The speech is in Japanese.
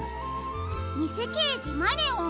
「にせけいじマネオン